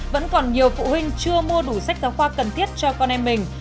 vẫn còn nhiều phụ huynh chưa mua đủ sách giáo khoa cần thiết cho con em mình